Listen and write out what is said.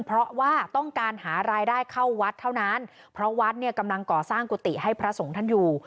เพราะว่าต้องการหารายได้เข้าวัดเท่านั้นเพราะวัดเนี่ยกำลังก่อสร้างกุฏิให้พระสงฆ์ท่านอยู่